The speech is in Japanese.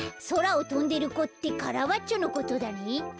そらをとんでる子ってカラバッチョのことだね。